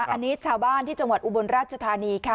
อันนี้ชาวบ้านที่จังหวัดอุบลราชธานีค่ะ